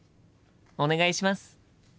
お願いします。